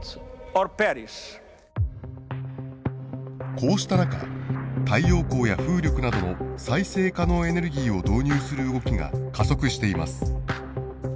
こうした中太陽光や風力などの再生可能エネルギーを導入する動きが加速しています。